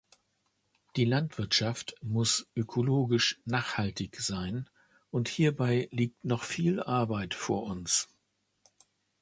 Die Landwirtschaft muss ökologisch nachhaltig sein, und hierbei liegt noch viel Arbeit vor uns.